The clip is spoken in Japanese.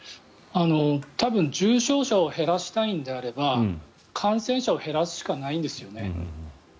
多分重症者を減らしたいんであれば感染者を減らすしかないんですよね。